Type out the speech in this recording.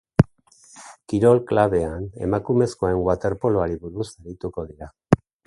Kirol klabean emakumezkoen waterpoloari buruz arituko dira.